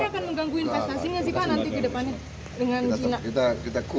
pak ini akan mengganggu investasinya sih pak nanti di depannya